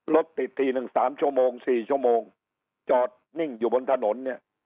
รถติดทีนึง๓ชั่วโมง๔ชั่วโมงจอดนิ่งอยู่บนถนน